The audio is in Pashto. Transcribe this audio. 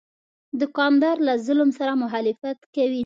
دوکاندار له ظلم سره مخالفت کوي.